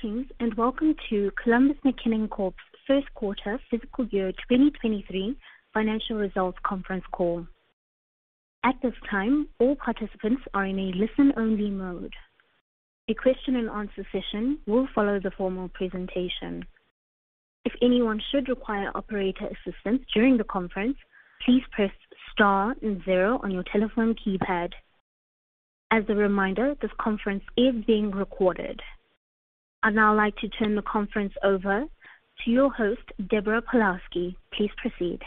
Greetings, and welcome to Columbus McKinnon Corp's First Quarter Fiscal Year 2023 Financial Results Conference Call. At this time, all participants are in a listen-only mode. A question-and-answer session will follow the formal presentation. If anyone should require operator assistance during the conference, please press star zero on your telephone keypad. As a reminder, this conference is being recorded. I'd now like to turn the conference over to your host, Deborah Pawlowski. Please proceed.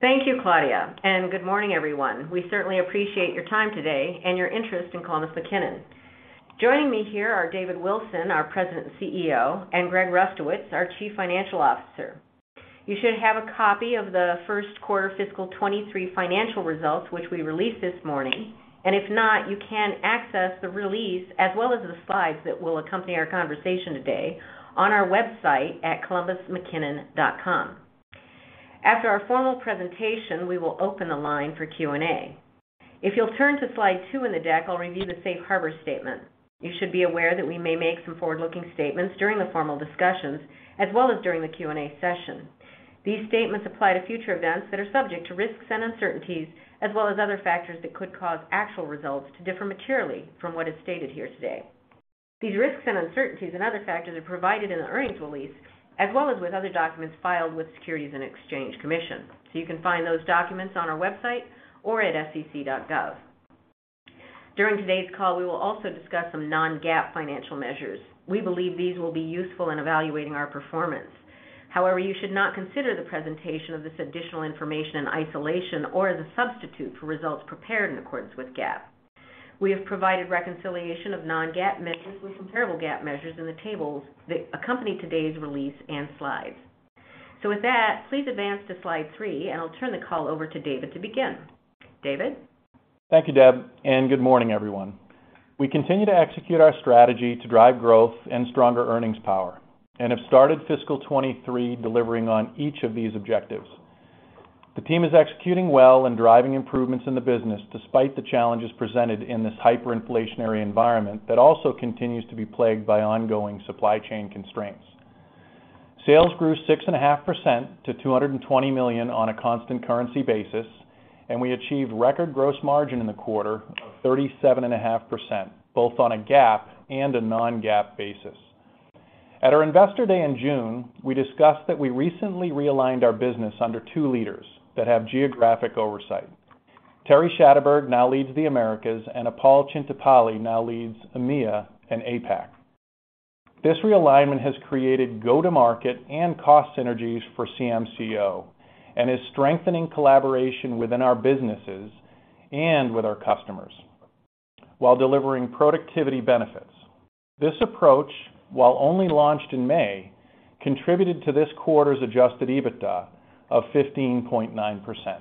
Thank you, Claudia, and good morning, everyone. We certainly appreciate your time today and your interest in Columbus McKinnon. Joining me here are David Wilson, our President and CEO, and Greg Rustowicz, our Chief Financial Officer. You should have a copy of the first quarter fiscal 2023 financial results, which we released this morning, and if not, you can access the release as well as the slides that will accompany our conversation today on our website at columbusmckinnon.com. After our formal presentation, we will open the line for Q&A. If you'll turn to slide two in the deck, I'll review the Safe Harbor statement. You should be aware that we may make some forward-looking statements during the formal discussions as well as during the Q&A session. These statements apply to future events that are subject to risks and uncertainties as well as other factors that could cause actual results to differ materially from what is stated here today. These risks and uncertainties and other factors are provided in the earnings release as well as with other documents filed with Securities and Exchange Commission. You can find those documents on our website or at sec.gov. During today's call, we will also discuss some non-GAAP financial measures. We believe these will be useful in evaluating our performance. However, you should not consider the presentation of this additional information in isolation or as a substitute for results prepared in accordance with GAAP. We have provided reconciliation of non-GAAP measures with comparable GAAP measures in the tables that accompany today's release and slides. With that, please advance to slide three, and I'll turn the call over to David to begin. David? Thank you, Deb, and good morning, everyone. We continue to execute our strategy to drive growth and stronger earnings power and have started fiscal 2023 delivering on each of these objectives. The team is executing well and driving improvements in the business despite the challenges presented in this hyperinflationary environment that also continues to be plagued by ongoing supply chain constraints. Sales grew 6.5% to $220 million on a constant currency basis, and we achieved record gross margin in the quarter of 37.5%, both on a GAAP and a non-GAAP basis. At our Investor Day in June, we discussed that we recently realigned our business under two leaders that have geographic oversight. Terry Schadeberg now leads the Americas, and Appal Chintapalli now leads EMEA and APAC. This realignment has created go-to-market and cost synergies for CMCO and is strengthening collaboration within our businesses and with our customers while delivering productivity benefits. This approach, while only launched in May, contributed to this quarter's Adjusted EBITDA of 15.9%.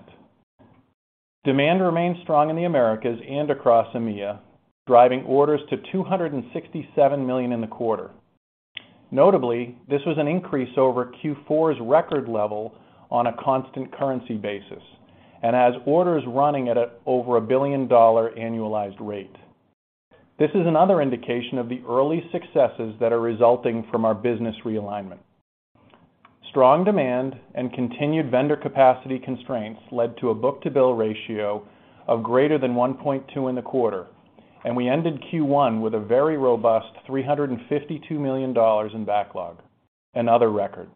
Demand remains strong in the Americas and across EMEA, driving orders to $267 million in the quarter. Notably, this was an increase over Q4's record level on a constant currency basis and has orders running at over a billion-dollar annualized rate. This is another indication of the early successes that are resulting from our business realignment. Strong demand and continued vendor capacity constraints led to a Book-to-Bill ratio of greater than 1.2 in the quarter, and we ended Q1 with a very robust $352 million in backlog, another record.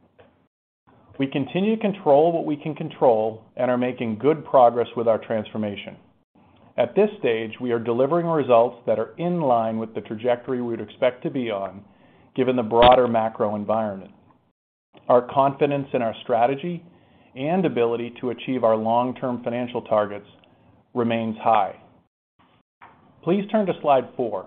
We continue to control what we can control and are making good progress with our transformation. At this stage, we are delivering results that are in line with the trajectory we'd expect to be on given the broader macro environment. Our confidence in our strategy and ability to achieve our long-term financial targets remains high. Please turn to slide four.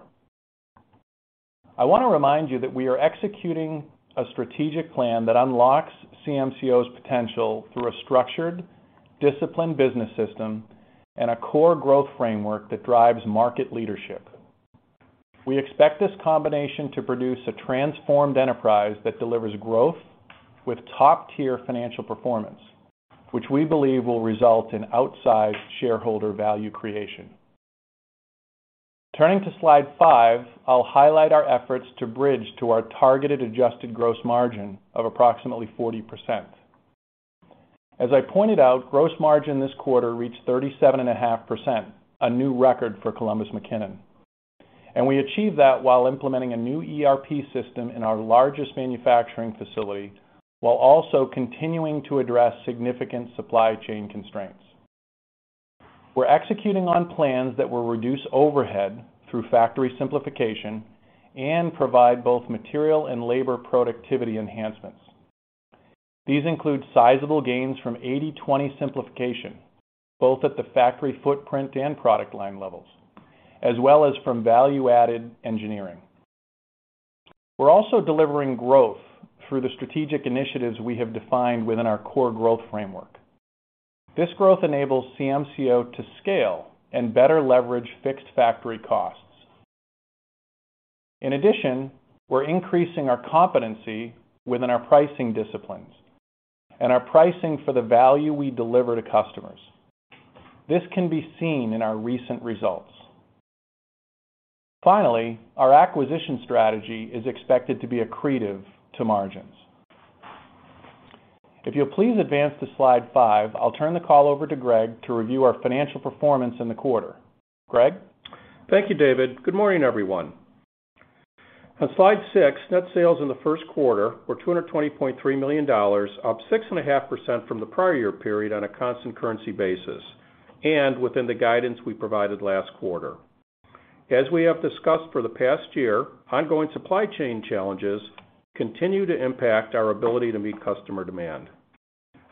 I want to remind you that we are executing a strategic plan that unlocks CMCO's potential through a structured, disciplined business system and a core growth framework that drives market leadership. We expect this combination to produce a transformed enterprise that delivers growth with top-tier financial performance, which we believe will result in outsized shareholder value creation. Turning to slide five, I'll highlight our efforts to bridge to our targeted adjusted gross margin of approximately 40%. As I pointed out, gross margin this quarter reached 37.5%, a new record for Columbus McKinnon. We achieved that while implementing a new ERP system in our largest manufacturing facility, while also continuing to address significant supply chain constraints. We're executing on plans that will reduce overhead through factory simplification and provide both material and labor productivity enhancements. These include sizable gains from 80/20 simplification, both at the factory footprint and product line levels, as well as from value-added engineering. We're also delivering growth through the strategic initiatives we have defined within our core growth framework. This growth enables CMCO to scale and better leverage fixed factory costs. In addition, we're increasing our competency within our pricing disciplines and are pricing for the value we deliver to customers. This can be seen in our recent results. Finally, our acquisition strategy is expected to be accretive to margins. If you'll please advance to slide five, I'll turn the call over to Greg to review our financial performance in the quarter. Greg? Thank you, David. Good morning, everyone. On slide six, net sales in the first quarter were $223 million, up 6.5% from the prior year period on a constant currency basis, and within the guidance we provided last quarter. As we have discussed for the past year, ongoing supply chain challenges continue to impact our ability to meet customer demand.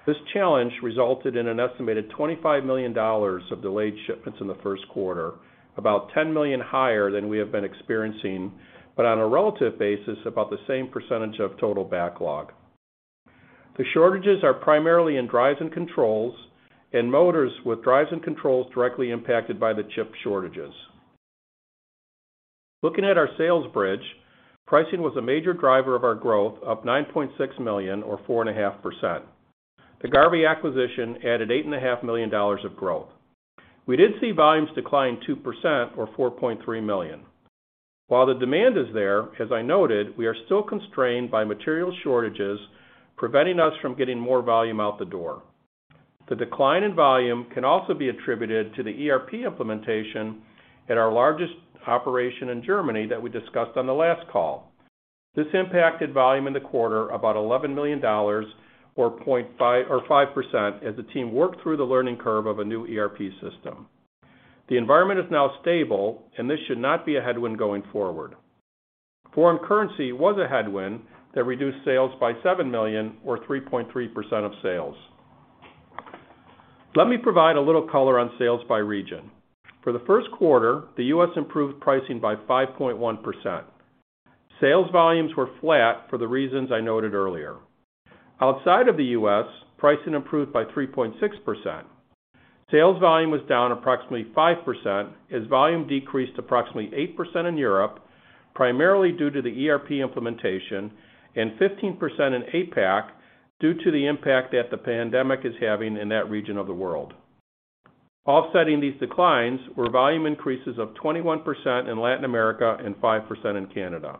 This challenge resulted in an estimated $25 million of delayed shipments in the first quarter, about $10 million higher than we have been experiencing, but on a relative basis, about the same percentage of total backlog. The shortages are primarily in drives and controls, and motors with drives and controls directly impacted by the chip shortages. Looking at our sales bridge, pricing was a major driver of our growth, up $9.6 million or 4.5%. The Garvey acquisition added $8.5 million of growth. We did see volumes decline 2% or $4.3 million. While the demand is there, as I noted, we are still constrained by material shortages, preventing us from getting more volume out the door. The decline in volume can also be attributed to the ERP implementation at our largest operation in Germany that we discussed on the last call. This impacted volume in the quarter about $11 million or 5% as the team worked through the learning curve of a new ERP system. The environment is now stable, and this should not be a headwind going forward. Foreign currency was a headwind that reduced sales by $7 million or 3.3% of sales. Let me provide a little color on sales by region. For the first quarter, the U.S. improved pricing by 5.1%. Sales volumes were flat for the reasons I noted earlier. Outside of the U.S., pricing improved by 3.6%. Sales volume was down approximately 5% as volume decreased approximately 8% in Europe, primarily due to the ERP implementation, and 15% in APAC, due to the impact that the pandemic is having in that region of the world. Offsetting these declines were volume increases of 21% in Latin America and 5% in Canada.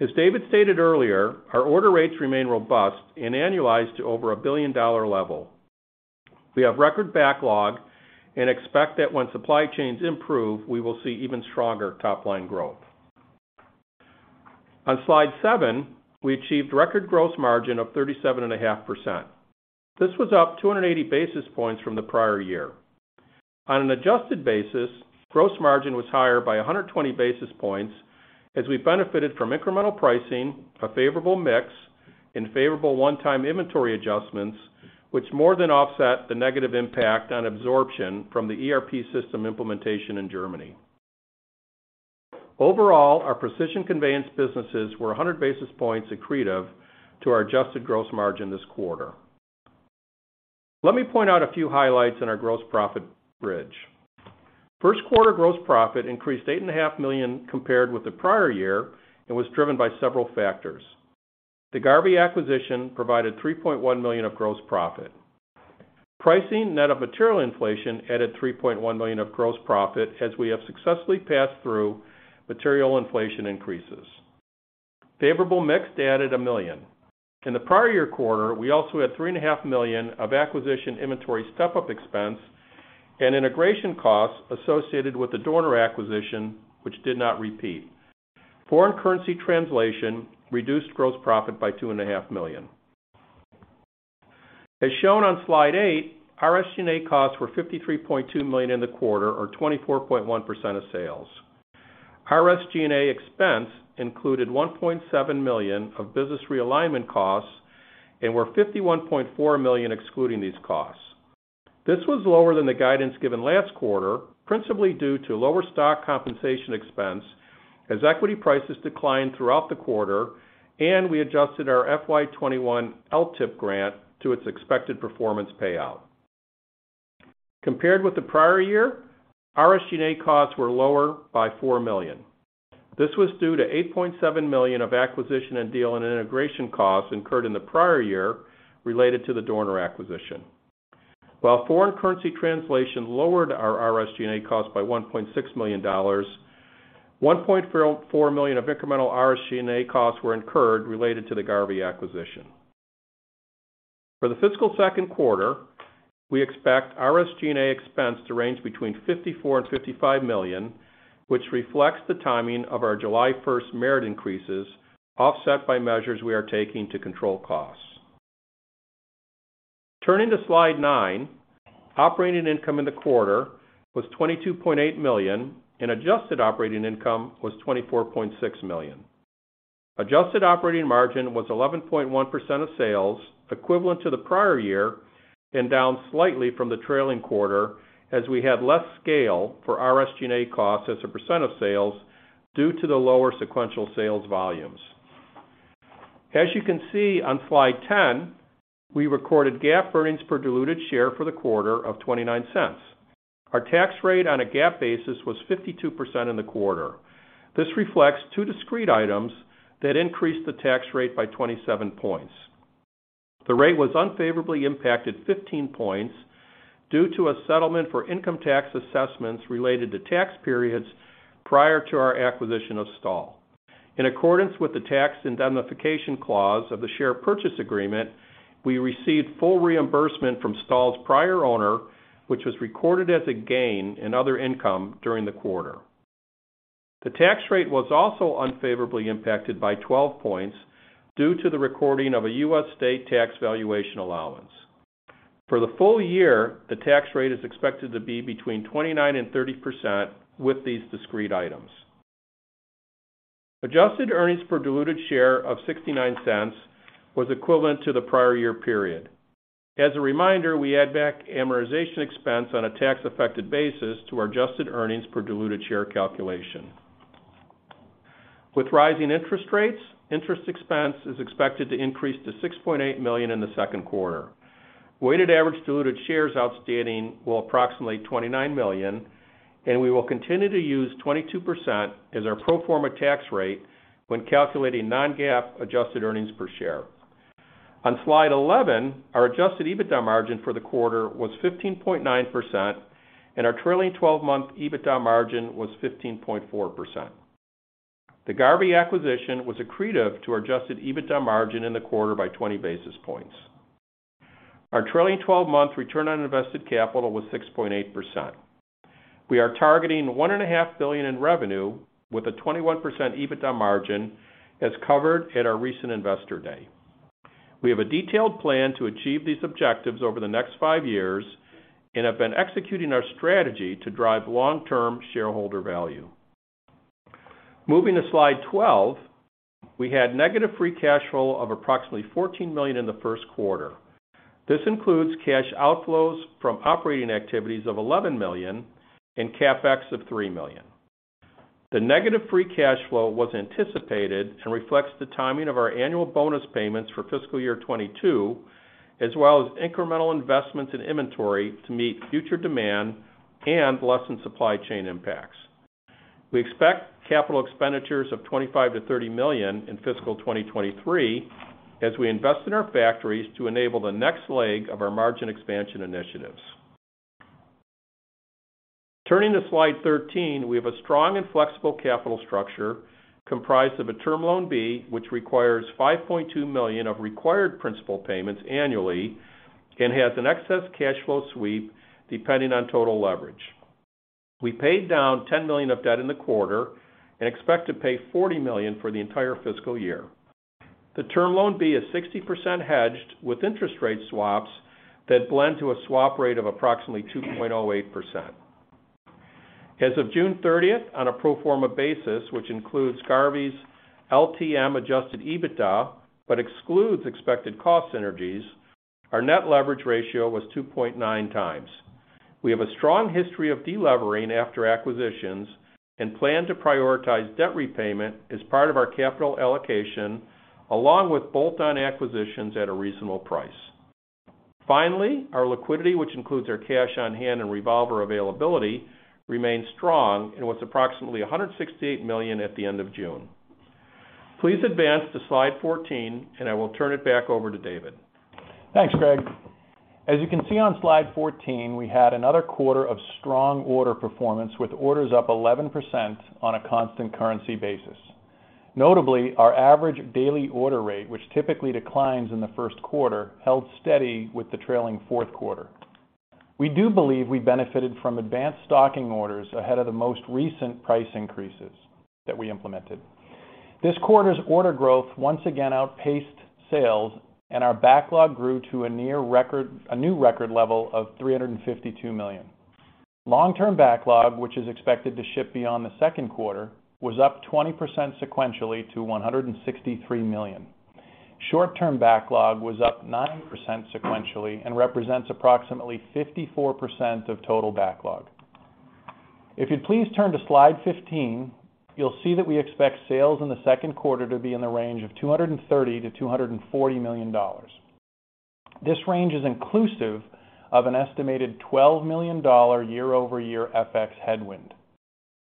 As David stated earlier, our order rates remain robust and annualized to over a billion-dollar level. We have record backlog and expect that when supply chains improve, we will see even stronger top-line growth. On slide seven, we achieved record gross margin of 37.5%. This was up 280 basis points from the prior year. On an adjusted basis, gross margin was higher by 120 basis points as we benefited from incremental pricing, a favorable mix, and favorable one-time inventory adjustments, which more than offset the negative impact on absorption from the ERP system implementation in Germany. Overall, our precision conveyance businesses were 100 basis points accretive to our adjusted gross margin this quarter. Let me point out a few highlights in our gross profit bridge. First quarter gross profit increased $8.5 million compared with the prior year and was driven by several factors. The Garvey acquisition provided $3.1 million of gross profit. Pricing net of material inflation added $3.1 million of gross profit as we have successfully passed through material inflation increases. Favorable mix added $1 million. In the prior year quarter, we also had $3.5 million of acquisition inventory step-up expense and integration costs associated with the Dorner acquisition, which did not repeat. Foreign currency translation reduced gross profit by $2.5 million. As shown on slide eight, SG&A costs were $53.2 million in the quarter, or 24.1% of sales. SG&A expense included $1.7 million of business realignment costs and were $51.4 million excluding these costs. This was lower than the guidance given last quarter, principally due to lower stock compensation expense as equity prices declined throughout the quarter, and we adjusted our FY 2021 LTIP grant to its expected performance payout. Compared with the prior year, SG&A costs were lower by $4 million. This was due to $8.7 million of acquisition and deal and integration costs incurred in the prior year related to the Dorner acquisition. While foreign currency translation lowered our SG&A costs by $1.6 million, $1.4 million of incremental SG&A costs were incurred related to the Garvey acquisition. For the fiscal second quarter, we expect SG&A expense to range between $54 million and $55 million, which reflects the timing of our July 1st merit increases, offset by measures we are taking to control costs. Turning to slide nine, operating income in the quarter was $22.8 million, and adjusted operating income was $24.6 million. Adjusted operating margin was 11.1% of sales, equivalent to the prior year and down slightly from the trailing quarter as we had less scale for SG&A costs as a % of sales due to the lower sequential sales volumes. As you can see on slide 10, we recorded GAAP earnings per diluted share for the quarter of $0.29. Our tax rate on a GAAP basis was 52% in the quarter. This reflects two discrete items that increased the tax rate by 27 points. The rate was unfavorably impacted 15 points due to a settlement for income tax assessments related to tax periods prior to our acquisition of STAHL. In accordance with the tax indemnification clause of the share purchase agreement, we received full reimbursement from STAHL's prior owner, which was recorded as a gain in other income during the quarter. The tax rate was also unfavorably impacted by 12 points due to the recording of a U.S. state tax valuation allowance. For the full year, the tax rate is expected to be between 29% and 30% with these discrete items. Adjusted earnings per diluted share of $0.69 was equivalent to the prior year period. As a reminder, we add back amortization expense on a tax effective basis to our adjusted earnings per diluted share calculation. With rising interest rates, interest expense is expected to increase to $6.8 million in the second quarter. Weighted average diluted shares outstanding were approximately 29 million, and we will continue to use 22% as our pro forma tax rate when calculating non-GAAP adjusted earnings per share. On slide 11, our Adjusted EBITDA margin for the quarter was 15.9%, and our trailing 12-month EBITDA margin was 15.4%. The Garvey acquisition was accretive to our Adjusted EBITDA margin in the quarter by 20 basis points. Our trailing 12-month return on invested capital was 6.8%. We are targeting $1.5 billion in revenue with a 21% EBITDA margin as covered at our recent Investor Day. We have a detailed plan to achieve these objectives over the next five years and have been executing our strategy to drive long-term shareholder value. Moving to slide 12, we had negative free cash flow of approximately $14 million in the first quarter. This includes cash outflows from operating activities of $11 million and CapEx of $3 million. The negative free cash flow was anticipated and reflects the timing of our annual bonus payments for fiscal year 2022, as well as incremental investments in inventory to meet future demand and lessen supply chain impacts. We expect capital expenditures of $25 million-$30 million in fiscal 2023 as we invest in our factories to enable the next leg of our margin expansion initiatives. Turning to slide 13, we have a strong and flexible capital structure comprised of a Term Loan B, which requires $5.2 million of required principal payments annually and has an excess cash flow sweep depending on total leverage. We paid down $10 million of debt in the quarter and expect to pay $40 million for the entire fiscal year. The Term Loan B is 60% hedged with interest rate swaps that blend to a swap rate of approximately 2.08%. As of June 30th, on a pro forma basis, which includes Garvey's LTM Adjusted EBITDA, but excludes expected cost synergies, our net leverage ratio was 2.9x. We have a strong history of delevering after acquisitions and plan to prioritize debt repayment as part of our capital allocation, along with bolt-on acquisitions at a reasonable price. Finally, our liquidity, which includes our cash on hand and revolver availability, remains strong and was approximately $168 million at the end of June. Please advance to slide 14, and I will turn it back over to David. Thanks, Greg. As you can see on slide 14, we had another quarter of strong order performance, with orders up 11% on a constant currency basis. Notably, our average daily order rate, which typically declines in the first quarter, held steady with the trailing fourth quarter. We do believe we benefited from advanced stocking orders ahead of the most recent price increases that we implemented. This quarter's order growth once again outpaced sales, and our backlog grew to a near record, a new record level of $352 million. Long-term backlog, which is expected to ship beyond the second quarter, was up 20% sequentially to $163 million. Short-term backlog was up 9% sequentially and represents approximately 54% of total backlog. If you'd please turn to slide 15, you'll see that we expect sales in the second quarter to be in the range of $230 million-$240 million. This range is inclusive of an estimated $12 million year-over-year FX headwind.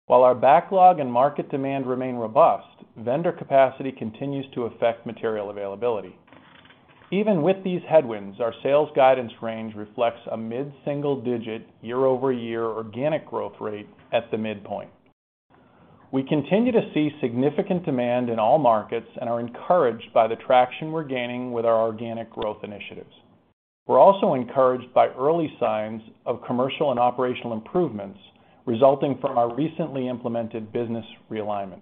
While our backlog and market demand remain robust, vendor capacity continues to affect material availability. Even with these headwinds, our sales guidance range reflects a mid-single digit year-over-year organic growth rate at the midpoint. We continue to see significant demand in all markets and are encouraged by the traction we're gaining with our organic growth initiatives. We're also encouraged by early signs of commercial and operational improvements resulting from our recently implemented business realignment.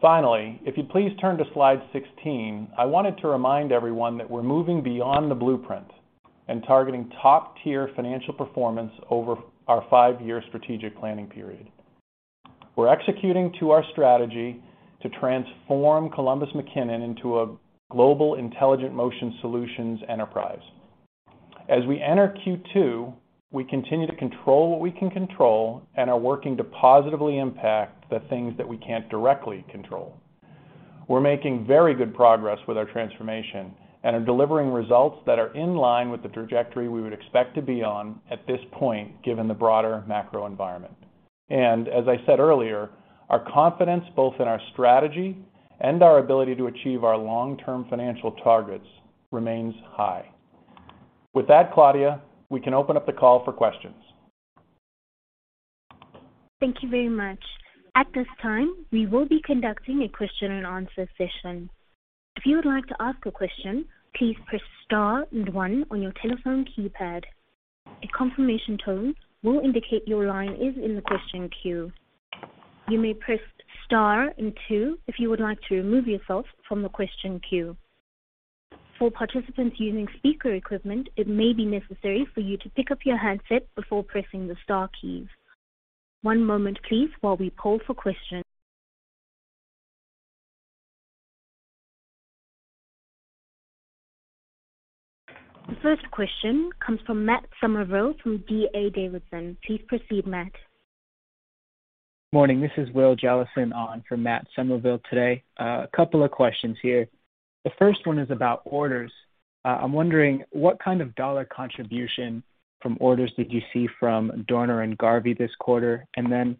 Finally, if you'd please turn to slide 16, I wanted to remind everyone that we're moving beyond the blueprint and targeting top-tier financial performance over our five-year strategic planning period. We're executing to our strategy to transform Columbus McKinnon into a global intelligent motion solutions enterprise. As we enter Q2, we continue to control what we can control and are working to positively impact the things that we can't directly control. We're making very good progress with our transformation and are delivering results that are in line with the trajectory we would expect to be on at this point, given the broader macro environment. As I said earlier, our confidence, both in our strategy and our ability to achieve our long-term financial targets remains high. With that, Claudia, we can open up the call for questions. Thank you very much. At this time, we will be conducting a question-and-answer session. If you would like to ask a question, please press star and one on your telephone keypad. A confirmation tone will indicate your line is in the question queue. You may press star and two if you would like to remove yourself from the question queue. For participants using speaker equipment, it may be necessary for you to pick up your handset before pressing the star keys. One moment please, while we poll for questions. The first question comes from Matt Summerville through D.A. Davidson. Please proceed, Matt. Morning, this is Will Jellison on for Matt Summerville today. A couple of questions here. The first one is about orders. I'm wondering what kind of dollar contribution from orders did you see from Dorner and Garvey this quarter? Then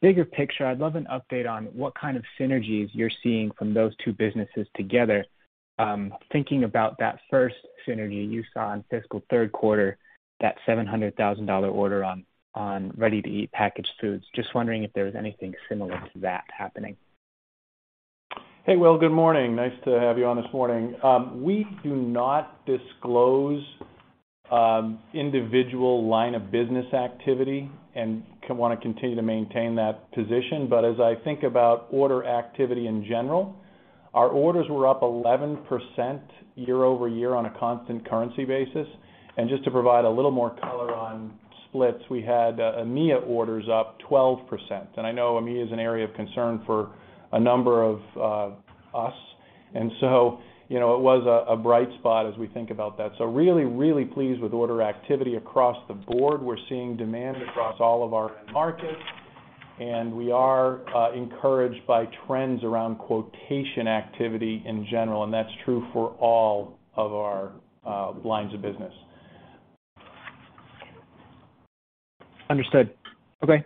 bigger picture, I'd love an update on what kind of synergies you're seeing from those two businesses together. Thinking about that first synergy you saw in fiscal third quarter, that $700,000 order on ready-to-eat packaged foods. Just wondering if there's anything similar to that happening. Hey, Will, good morning. Nice to have you on this morning. We do not disclose individual line of business activity and wanna continue to maintain that position. As I think about order activity in general, our orders were up 11% year-over-year on a constant currency basis. Just to provide a little more color on splits, we had EMEA orders up 12%. I know EMEA is an area of concern for a number of us. You know, it was a bright spot as we think about that. Really pleased with order activity across the board. We're seeing demand across all of our end markets, and we are encouraged by trends around quotation activity in general, and that's true for all of our lines of business. Understood. Okay.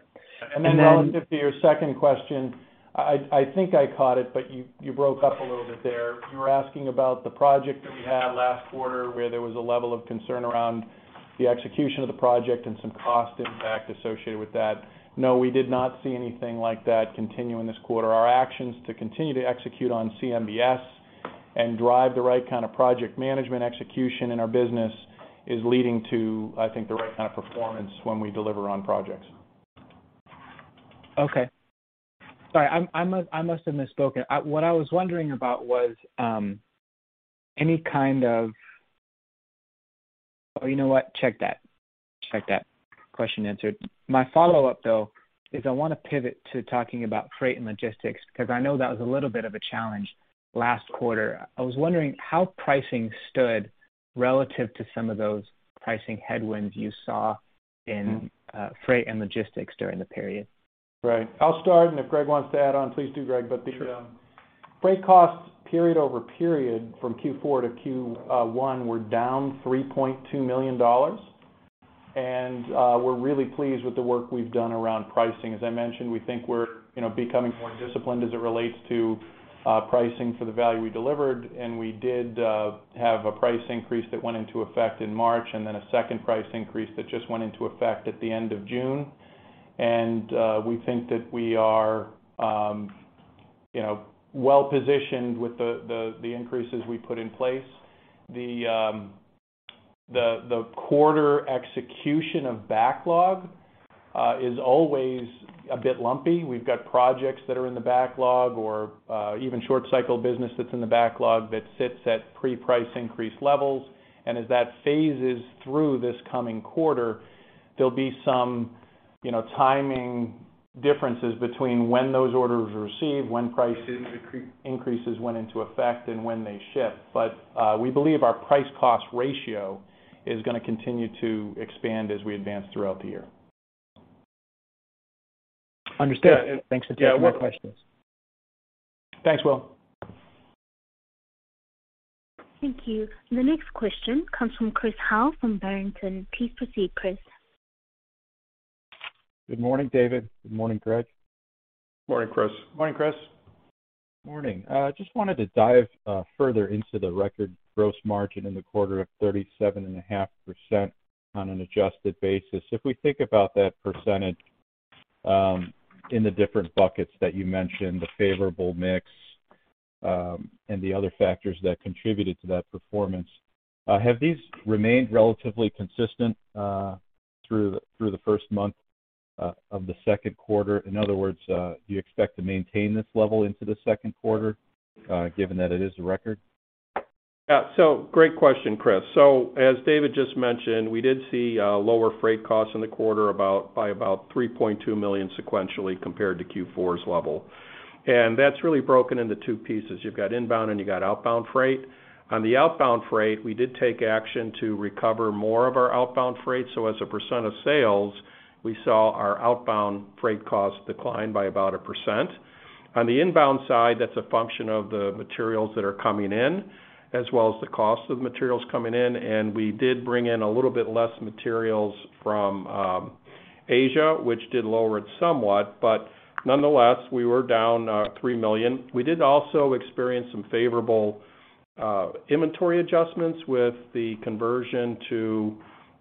Relative to your second question, I think I caught it, but you broke up a little bit there. You were asking about the project that we had last quarter, where there was a level of concern around the execution of the project and some cost impact associated with that. No, we did not see anything like that continue in this quarter. Our actions to continue to execute on CMBS and drive the right kind of project management execution in our business is leading to, I think, the right kind of performance when we deliver on projects. Okay. Sorry, I must have misspoken. What I was wondering about was. Oh, you know what? Check that. Question answered. My follow-up, though, is I wanna pivot to talking about freight and logistics, because I know that was a little bit of a challenge last quarter. I was wondering how pricing stood relative to some of those pricing headwinds you saw in- Mm-hmm. Freight and logistics during the period. Right. I'll start, and if Greg wants to add on, please do, Greg. Sure. The freight costs period over period from Q4-Q1 were down $3.2 million. We're really pleased with the work we've done around pricing. As I mentioned, we think we're you know becoming more disciplined as it relates to pricing for the value we delivered. We did have a price increase that went into effect in March, and then a second price increase that just went into effect at the end of June. We think that we are you know well-positioned with the increases we put in place. The quarter execution of backlog is always a bit lumpy. We've got projects that are in the backlog or even short cycle business that's in the backlog that sits at pre-price increase levels. As that phases through this coming quarter, there'll be some, you know, timing differences between when those orders are received, when price increases went into effect, and when they ship. We believe our price cost ratio is gonna continue to expand as we advance throughout the year. Understood. Yeah, we're Thanks. I'll take more questions. Thanks, Will. Thank you. The next question comes from Chris Howe from Barrington Research. Please proceed, Chris. Good morning, David. Good morning, Greg. Morning, Chris. Morning, Chris. Morning. Just wanted to dive further into the record gross margin in the quarter of 37.5% on an adjusted basis. If we think about that percentage, in the different buckets that you mentioned, the favorable mix, and the other factors that contributed to that performance, have these remained relatively consistent through the first month of the second quarter? In other words, do you expect to maintain this level into the second quarter, given that it is a record? Yeah. Great question, Chris. As David just mentioned, we did see lower freight costs in the quarter by about $3.2 million sequentially compared to Q4's level. That's really broken into two pieces. You've got inbound, and you've got outbound freight. On the outbound freight, we did take action to recover more of our outbound freight. As a percent of sales, we saw our outbound freight costs decline by about 1%. On the inbound side, that's a function of the materials that are coming in, as well as the cost of materials coming in. We did bring in a little bit less materials from Asia, which did lower it somewhat. Nonetheless, we were down $3 million. We did also experience some favorable inventory adjustments with the conversion to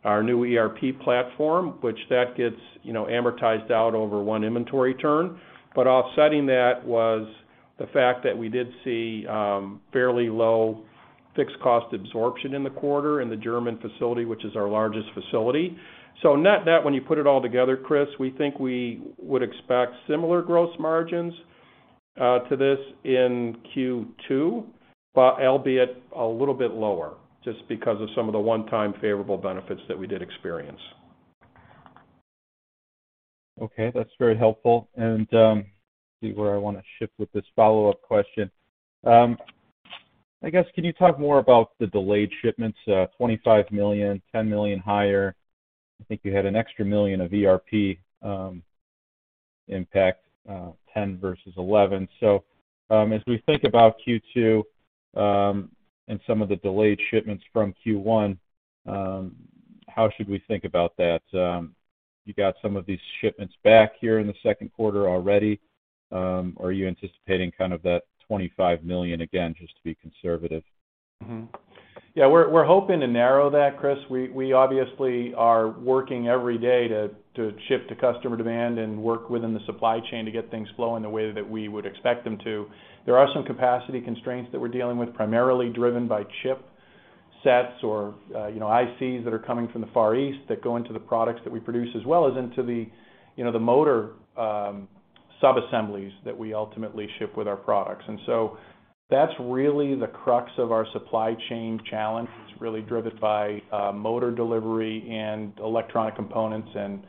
our new ERP platform, which gets, you know, amortized out over one inventory turn. But offsetting that was the fact that we did see fairly low fixed cost absorption in the quarter in the German facility, which is our largest facility. Net that, when you put it all together, Chris, we think we would expect similar gross margins to this in Q2, but albeit a little bit lower just because of some of the one-time favorable benefits that we did experience. Okay. That's very helpful. See where I wanna shift with this follow-up question. I guess, can you talk more about the delayed shipments, $25 million, $10 million higher? I think you had an extra $1 million of ERP impact, $10 million versus $11 million. As we think about Q2, and some of the delayed shipments from Q1, how should we think about that? You got some of these shipments back here in the second quarter already. Are you anticipating kind of that $25 million again, just to be conservative? Yeah, we're hoping to narrow that, Chris. We obviously are working every day to ship to customer demand and work within the supply chain to get things flowing the way that we would expect them to. There are some capacity constraints that we're dealing with, primarily driven by chipsets or you know, ICs that are coming from the Far East that go into the products that we produce, as well as into the you know, the motor subassemblies that we ultimately ship with our products. That's really the crux of our supply chain challenge. It's really driven by motor delivery and electronic components and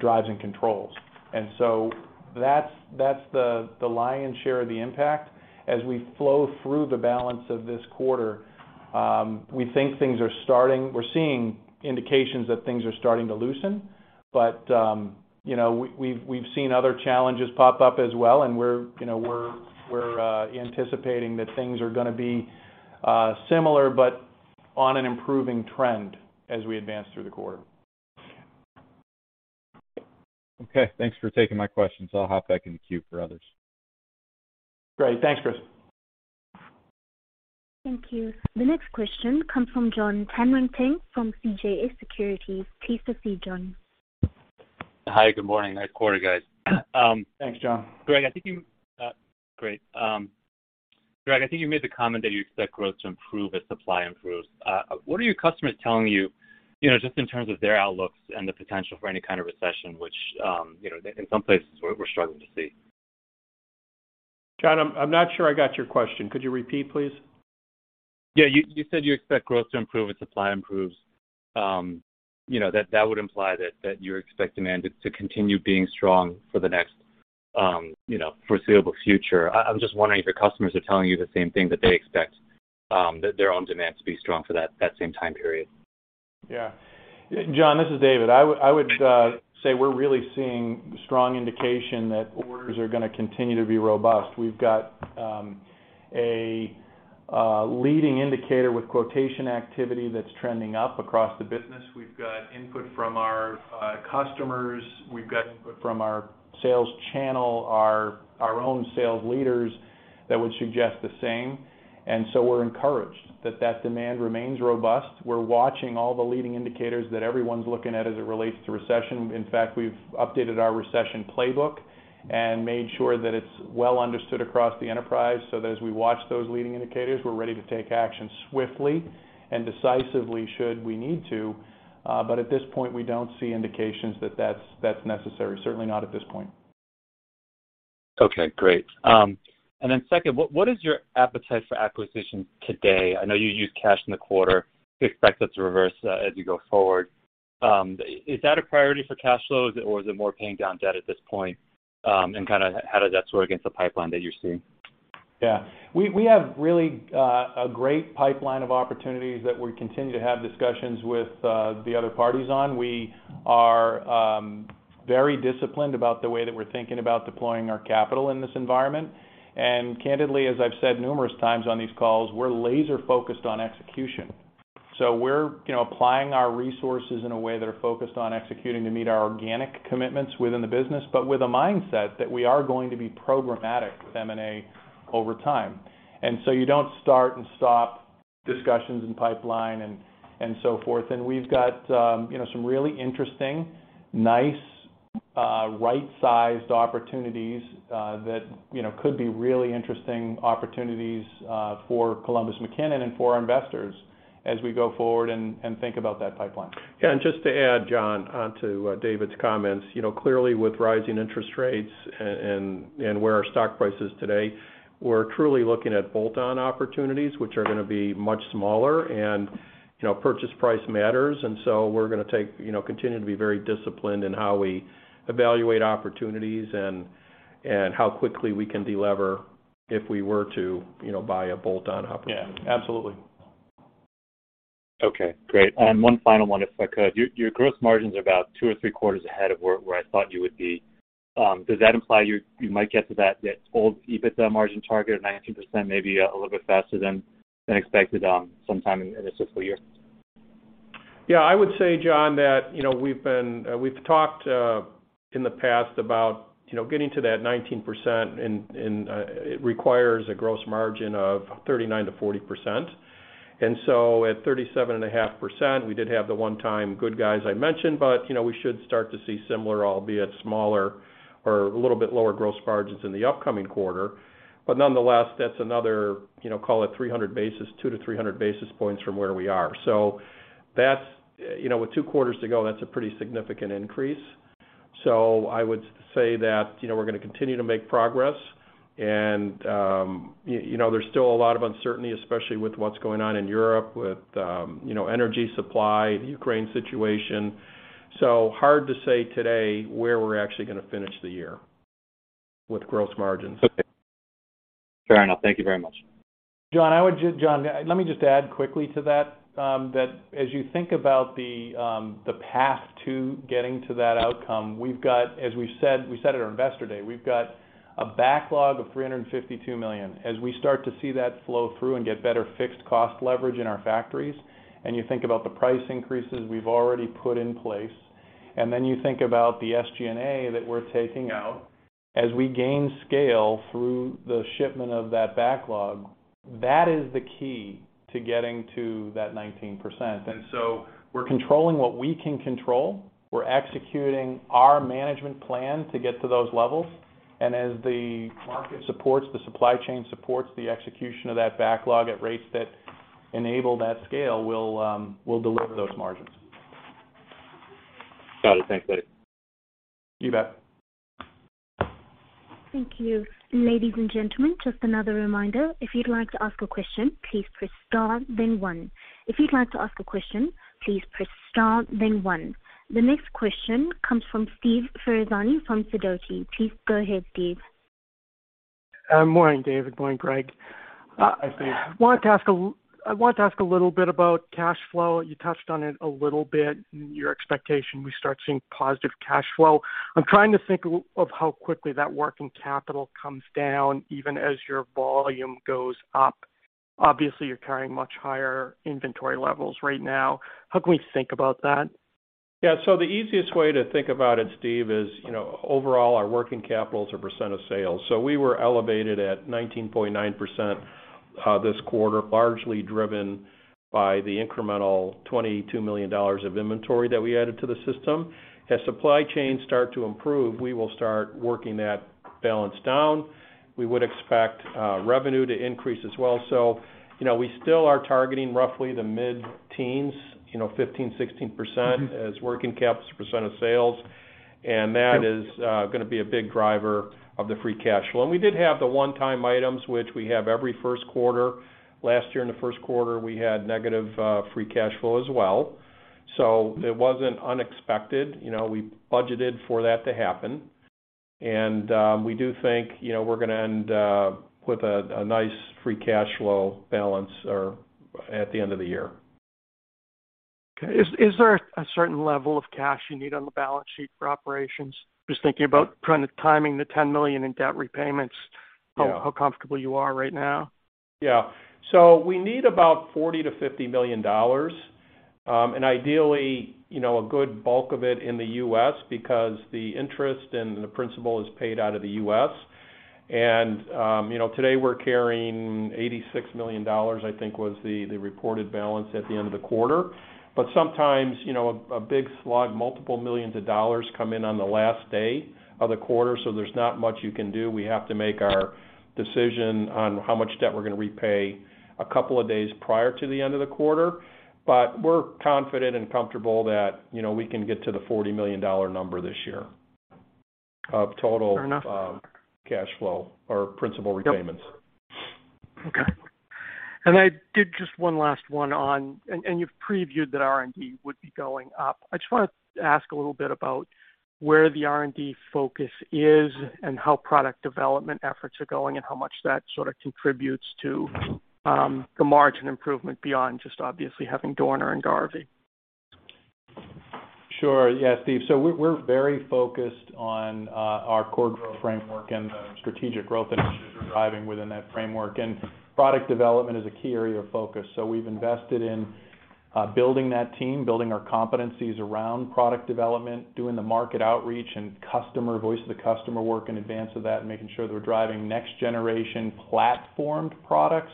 drives and controls. That's the lion's share of the impact. As we flow through the balance of this quarter, we think things are starting. We're seeing indications that things are starting to loosen, but you know, we've seen other challenges pop up as well, and we're, you know, anticipating that things are gonna be similar but on an improving trend as we advance through the quarter. Okay. Thanks for taking my questions. I'll hop back in the queue for others. Great. Thanks, Chris. Thank you. The next question comes from Jon Tanwanteng from CJS Securities. Please proceed, Jon. Hi. Good morning. Nice quarter, guys. Thanks, Jon. Greg, I think you made the comment that you expect growth to improve as supply improves. What are your customers telling you know, just in terms of their outlooks and the potential for any kind of recession, which, you know, they in some places we're struggling to see? Jon, I'm not sure I got your question. Could you repeat, please? Yeah. You said you expect growth to improve as supply improves. You know, that would imply that you expect demand to continue being strong for the next, you know, foreseeable future. I'm just wondering if your customers are telling you the same thing, that they expect their own demand to be strong for that same time period. Yeah. Jon, this is David. I would say we're really seeing strong indication that orders are gonna continue to be robust. We've got a leading indicator with quotation activity that's trending up across the business. We've got input from our customers. We've got input from our sales channel, our own sales leaders that would suggest the same. We're encouraged that demand remains robust. We're watching all the leading indicators that everyone's looking at as it relates to recession. In fact, we've updated our recession playbook and made sure that it's well understood across the enterprise so that as we watch those leading indicators, we're ready to take action swiftly and decisively should we need to. At this point, we don't see indications that that's necessary, certainly not at this point. Okay. Great. Second, what is your appetite for acquisition today? I know you used cash in the quarter. You expect that to reverse as you go forward. Is that a priority for cash flow, or is it more paying down debt at this point? Kinda, how does that sort against the pipeline that you're seeing? Yeah. We have really a great pipeline of opportunities that we continue to have discussions with the other parties on. We are very disciplined about the way that we're thinking about deploying our capital in this environment. Candidly, as I've said numerous times on these calls, we're laser focused on execution. We're, you know, applying our resources in a way that are focused on executing to meet our organic commitments within the business, but with a mindset that we are going to be programmatic with M&A over time. You don't start and stop discussions in pipeline and so forth. We've got, you know, some really interesting, nice right-sized opportunities that, you know, could be really interesting opportunities for Columbus McKinnon and for our investors as we go forward and think about that pipeline. Yeah. Just to add, Jon, onto David's comments. You know, clearly with rising interest rates and where our stock price is today, we're truly looking at bolt-on opportunities, which are gonna be much smaller and, you know, purchase price matters. We're gonna take, you know, continue to be very disciplined in how we evaluate opportunities and how quickly we can delever if we were to, you know, buy a bolt-on opportunity. Yeah. Absolutely. Okay, great. One final one, if I could. Your gross margins are about two or three quarters ahead of where I thought you would be. Does that imply you might get to that old EBITDA margin target of 19% maybe a little bit faster than expected, sometime in this fiscal year? Yeah, I would say, Jon, that, you know, we've talked in the past about, you know, getting to that 19%, and it requires a gross margin of 39%-40%. At 37.5%, we did have the one-time goodies I mentioned, but, you know, we should start to see similar, albeit smaller or a little bit lower gross margins in the upcoming quarter. Nonetheless, that's another, you know, call it 300 basis points, 200-300 basis points from where we are. That's. You know, with two quarters to go, that's a pretty significant increase. I would say that, you know, we're gonna continue to make progress. You know, there's still a lot of uncertainty, especially with what's going on in Europe with, you know, energy supply, the Ukraine situation. Hard to say today where we're actually gonna finish the year with gross margins. Okay. Fair enough. Thank you very much. Jon, let me just add quickly to that as you think about the path to getting to that outcome, we've got, as we said at our Investor Day, we've got a backlog of $352 million. As we start to see that flow through and get better fixed cost leverage in our factories, and you think about the price increases we've already put in place, and then you think about the SG&A that we're taking out, as we gain scale through the shipment of that backlog, that is the key to getting to that 19%. We're controlling what we can control. We're executing our management plan to get to those levels. As the market supports, the supply chain supports the execution of that backlog at rates that enable that scale, we'll deliver those margins. Got it. Thanks, David. You bet. Thank you. Ladies, and gentlemen, just another reminder. If you'd like to ask a question, please press star then one. If you'd like to ask a question, please press star then one. The next question comes from Steve Ferrazzani from Sidoti & Company. Please go ahead, Steve. Morning, David. Morning, Greg. Hi, Steve. I wanted to ask a little bit about cash flow. You touched on it a little bit in your expectation we start seeing positive cash flow. I'm trying to think of how quickly that working capital comes down even as your volume goes up. Obviously, you're carrying much higher inventory levels right now. How can we think about that? Yeah. The easiest way to think about it, Steve, is, you know, overall our working capital as percent of sales. We were elevated at 19.9%, this quarter, largely driven by the incremental $22 million of inventory that we added to the system. As supply chains start to improve, we will start working that balance down. We would expect, revenue to increase as well. You know, we still are targeting roughly the mid-teens, you know, 15%-16% as working capital percent of sales. That is, gonna be a big driver of the free cash flow. We did have the one-time items, which we have every first quarter. Last year in the first quarter, we had negative, free cash flow as well. It wasn't unexpected. You know, we budgeted for that to happen. We do think, you know, we're gonna end with a nice free cash flow balance at the end of the year. Okay. Is there a certain level of cash you need on the balance sheet for operations? Just thinking about kind of timing the $10 million in debt repayments. Yeah. How comfortable you are right now? Yeah. We need about $40 million-$50 million, and ideally, you know, a good bulk of it in the U.S. because the interest and the principal is paid out of the U.S. You know, today we're carrying $86 million, I think was the reported balance at the end of the quarter. Sometimes, you know, a big slug, multiple millions of dollars come in on the last day of the quarter, so there's not much you can do. We have to make our decision on how much debt we're gonna repay a couple of days prior to the end of the quarter. We're confident and comfortable that, you know, we can get to the $40 million number this year of total- Fair enough. cash flow or principal repayments. Yep. Okay. I did just one last one. You've previewed that R&D would be going up. I just wanna ask a little bit about where the R&D focus is and how product development efforts are going and how much that sort of contributes to the margin improvement beyond just obviously having Dorner and Garvey. Sure. Yeah, Steve. We're very focused on our core growth framework and the strategic growth initiatives we're driving within that framework. Product development is a key area of focus. We've invested in building that team, building our competencies around product development, doing the market outreach and customer voice of the customer work in advance of that, and making sure they're driving next generation platformed products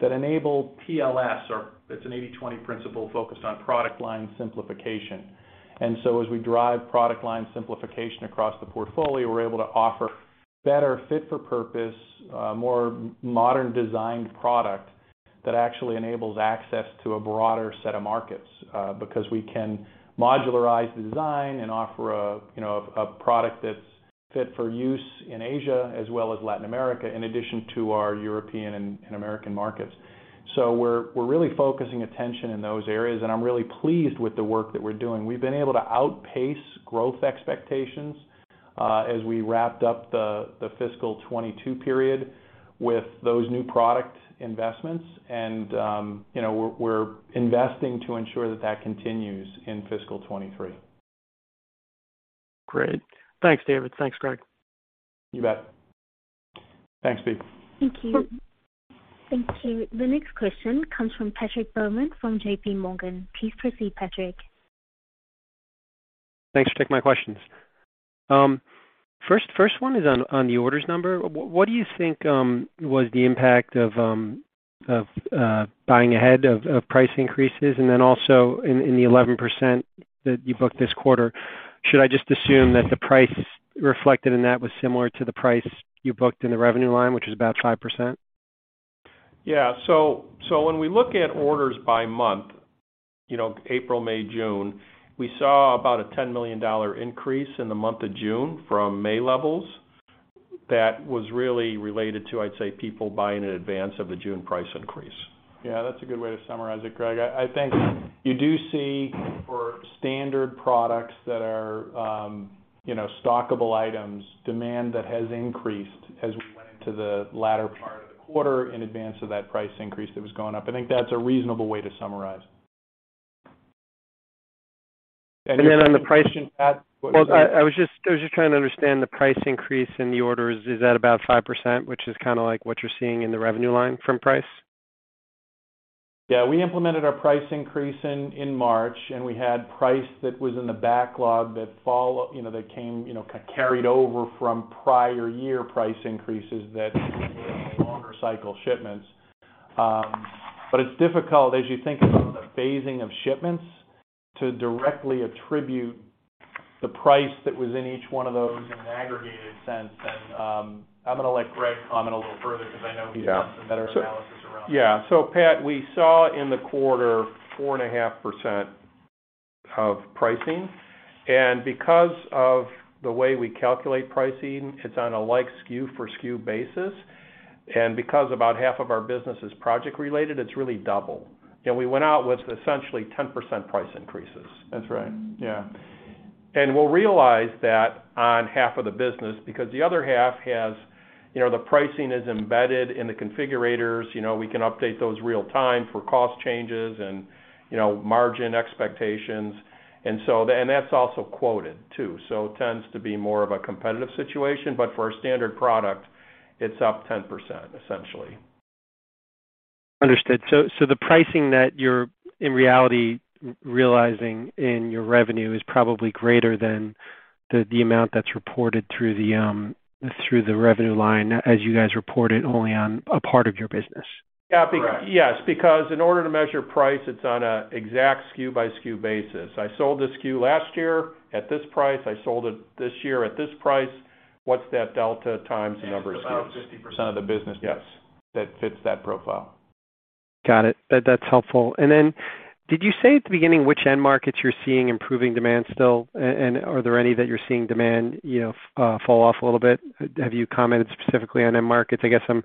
that enable PLS, or it's an 80/20 principle focused on product line simplification. And, so, as we drive product line simplification across the portfolio, we're able to offer better fit for purpose, more modern designed product that actually enables access to a broader set of markets, because we can modularize the design and offer a, you know, a product that's fit for use in Asia as well as Latin America, in addition to our European and American markets. We're really focusing attention in those areas, and I'm really pleased with the work that we're doing. We've been able to outpace growth expectations. As we wrapped up the fiscal 2022 period with those new product investments, and you know, we're investing to ensure that continues in fiscal 2023. Great. Thanks, David. Thanks, Greg. You bet. Thanks, Steve. Thank you. Thank you. The next question comes from Patrick Bowman from JPMorgan. Please proceed, Patrick. Thanks for taking my questions. First one is on the orders number. What do you think was the impact of buying ahead of price increases? Then also in the 11% that you booked this quarter, should I just assume that the price reflected in that was similar to the price you booked in the revenue line, which is about 5%? Yeah. When we look at orders by month, you know, April, May, June, we saw about a $10 million increase in the month of June from May levels that was really related to, I'd say, people buying in advance of the June price increase. Yeah, that's a good way to summarize it, Greg. I think you do see for standard products that are, you know, stockable items, demand that has increased as we went into the latter part of the quarter in advance of that price increase that was going up. I think that's a reasonable way to summarize. On the price. Well, I was just trying to understand the price increase in the orders. Is that about 5%, which is kinda like what you're seeing in the revenue line from price? Yeah. We implemented our price increase in March, and we had price that was in the backlog that fall, you know, that came, you know, carried over from prior year price increases that longer cycle shipments. It's difficult as you think about the phasing of shipments to directly attribute the price that was in each one of those in an aggregated sense. I'm gonna let Greg comment a little further because I know he's done some better analysis around. Yeah. Pat, we saw in the quarter 4.5% of pricing. Because of the way we calculate pricing, it's on a like SKU for SKU basis. Because about half of our business is project-related, it's really double. You know, we went out with essentially 10% price increases. That's right. Yeah. We'll realize that on half of the business, because the other half has, you know, the pricing is embedded in the configurators. You know, we can update those real time for cost changes and, you know, margin expectations. And that's also quoted too. Tends to be more of a competitive situation. For a standard product, it's up 10%, essentially. Understood. The pricing that you're in reality realizing in your revenue is probably greater than the amount that's reported through the revenue line, as you guys report it only on a part of your business. Yeah. Correct. Yes, because in order to measure price, it's on an exact SKU by SKU basis. I sold this SKU last year at this price. I sold it this year at this price. What's that delta times the number of SKUs? It's about 50% of the business. Yes That fits that profile. Got it. That's helpful. Did you say at the beginning which end markets you're seeing improving demand still? Are there any that you're seeing demand, you know, fall off a little bit? Have you commented specifically on end markets? I guess, you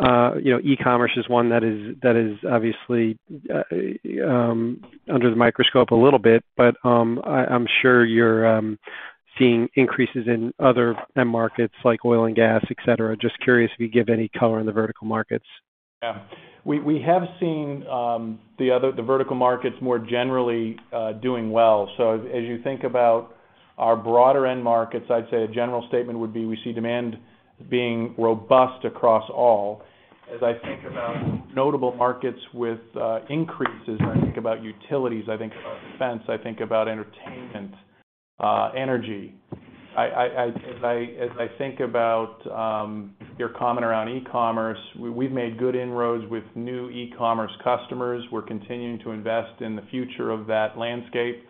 know, e-commerce is one that is obviously under the microscope a little bit, but, I'm sure you're seeing increases in other end markets like oil and gas, et cetera. Just curious if you give any color in the vertical markets. Yeah. We have seen the vertical markets more generally doing well. As you think about our broader end markets, I'd say a general statement would be we see demand being robust across all. As I think about notable markets with increases, I think about utilities, I think about defense, I think about entertainment, energy. As I think about your comment around e-commerce, we've made good inroads with new e-commerce customers. We're continuing to invest in the future of that landscape.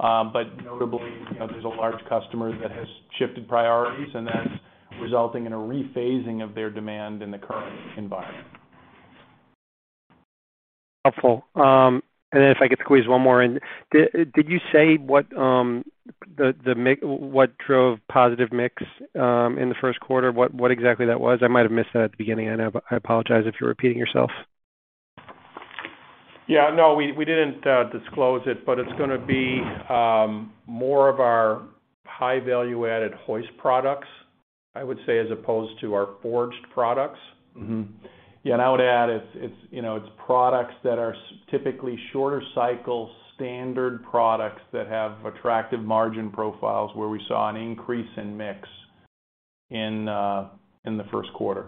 Notably, you know, there's a large customer that has shifted priorities, and that's resulting in a rephasing of their demand in the current environment. Helpful. If I could squeeze one more in. Did you say what drove positive mix in the first quarter? What exactly was that? I might have missed that at the beginning. I know, I apologize if you're repeating yourself. Yeah, no, we didn't disclose it, but it's gonna be more of our high value-added hoist products, I would say, as opposed to our forged products. Mm-hmm. Yeah. I would add it's, you know, products that are typically shorter cycle, standard products that have attractive margin profiles where we saw an increase in mix in the first quarter.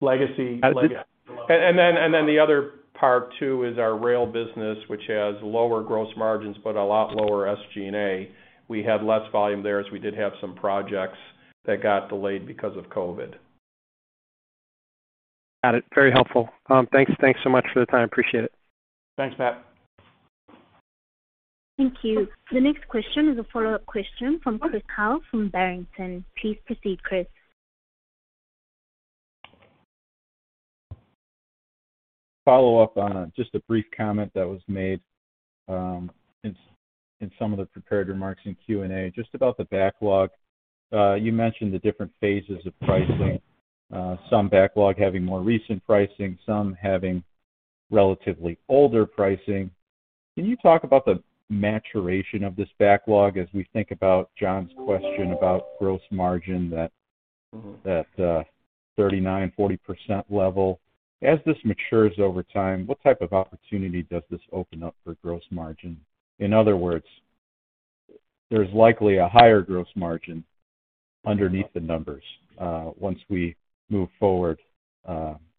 Legacy. The other part too is our rail business, which has lower gross margins but a lot lower SG&A. We had less volume there as we did have some projects that got delayed because of COVID. Got it. Very helpful. Thanks. Thanks so much for the time. Appreciate it. Thanks, Pat. Thank you. The next question is a follow-up question from Chris Howe from Barrington Research. Please proceed, Chris. Follow-up on just a brief comment that was made in some of the prepared remarks in Q&A, just about the backlog. You mentioned the different phases of pricing, some backlog having more recent pricing, some having relatively older pricing. Can you talk about the maturation of this backlog as we think about Jon's question about gross margin that 39%-40% level. As this matures over time, what type of opportunity does this open up for gross margin? In other words, there's likely a higher gross margin underneath the numbers once we move forward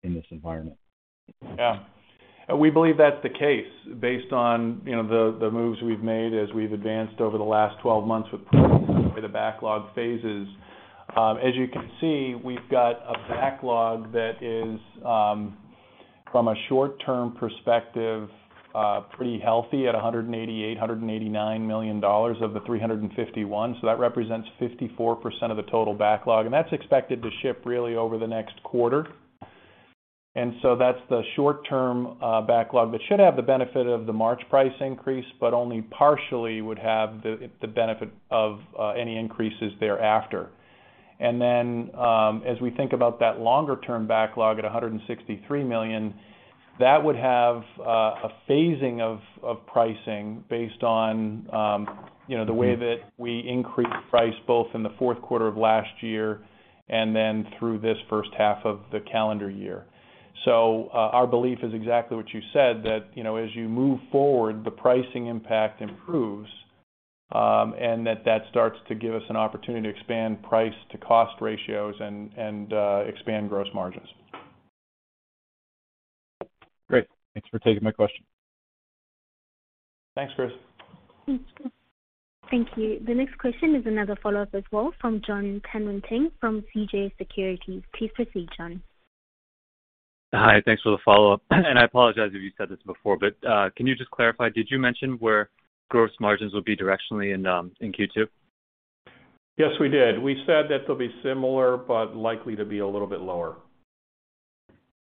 in this environment. Yeah. We believe that's the case based on, you know, the moves we've made as we've advanced over the last 12 months with the backlog phases. As you can see, we've got a backlog that is, from a short-term perspective, pretty healthy at $889 million of the $351 million. So that represents 54% of the total backlog, and that's expected to ship really over the next quarter. That's the short term backlog that should have the benefit of the March price increase, but only partially would have the benefit of any increases thereafter. As we think about that longer-term backlog at $163 million, that would have a phasing of pricing based on, you know, the way that we increase price both in the fourth quarter of last year and then through this first half of the calendar year. Our belief is exactly what you said, that, you know, as you move forward, the pricing impact improves, and that starts to give us an opportunity to expand price to cost ratios and expand gross margins. Great. Thanks for taking my question. Thanks, Chris. Thank you. The next question is another follow-up as well from Jon Tanwanteng from CJS Securities. Please proceed, Jon. Hi. Thanks for the follow-up. I apologize if you said this before, but, can you just clarify, did you mention where gross margins will be directionally in Q2? Yes, we did. We said that they'll be similar, but likely to be a little bit lower.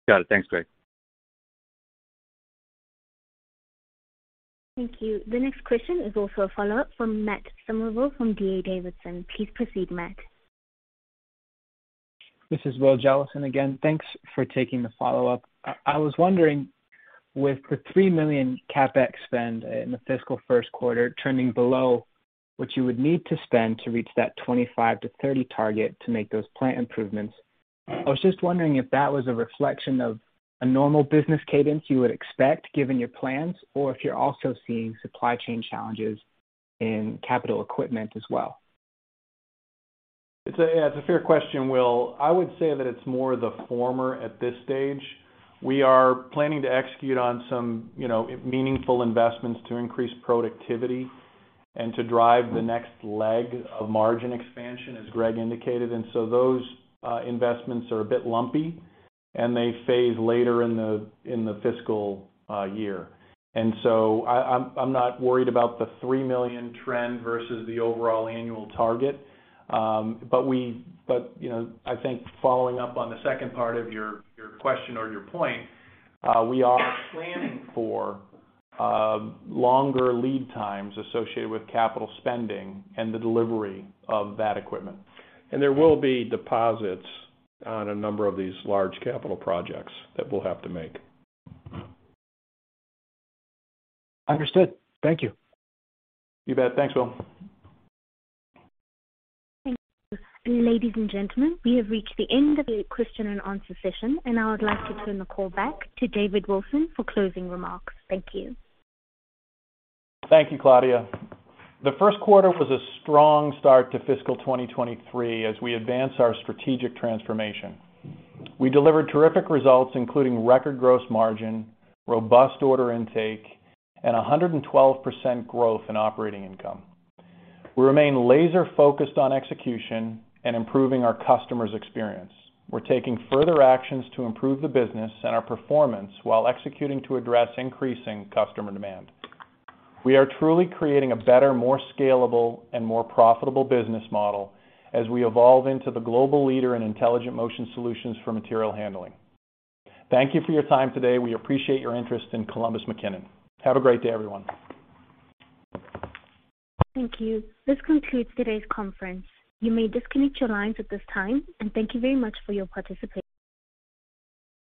Got it. Thanks, Greg. Thank you. The next question is also a follow-up from Matt Summerville from D.A. Davidson. Please proceed, Matt. This is Will Jellison again. Thanks for taking the follow-up. I was wondering, with the $3 million CapEx spend in the fiscal first quarter turning below what you would need to spend to reach that $25 million-$30 million target to make those plant improvements, I was just wondering if that was a reflection of a normal business cadence you would expect given your plans, or if you're also seeing supply chain challenges in capital equipment as well. It's a fair question, Will. I would say that it's more the former at this stage. We are planning to execute on some, you know, meaningful investments to increase productivity and to drive the next leg of margin expansion, as Greg indicated. Those investments are a bit lumpy, and they phase later in the fiscal year. I'm not worried about the $3 million trend versus the overall annual target. But, you know, I think following up on the second part of your question or your point, we are planning for longer lead times associated with capital spending and the delivery of that equipment. There will be deposits on a number of these large capital projects that we'll have to make. Understood. Thank you. You bet. Thanks, Will. Thank you. Ladies, and gentlemen, we have reached the end of the question-and-answer session, and I would like to turn the call back to David Wilson for closing remarks. Thank you. Thank you, Claudia. The first quarter was a strong start to fiscal 2023 as we advance our strategic transformation. We delivered terrific results, including record gross margin, robust order intake, and 112% growth in operating income. We remain laser-focused on execution and improving our customers' experience. We're taking further actions to improve the business and our performance while executing to address increasing customer demand. We are truly creating a better, more scalable, and more profitable business model as we evolve into the global leader in intelligent motion solutions for material handling. Thank you for your time today. We appreciate your interest in Columbus McKinnon. Have a great day, everyone. Thank you. This concludes today's conference. You may disconnect your lines at this time, and thank you very much for your participation.